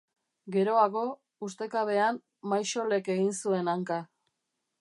Geroago, ustekabean, Maixolek egin zuen hanka.